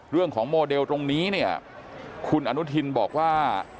เรื่องของโมเดลตรงนี้เนี่ยคุณอนุทินบอกว่า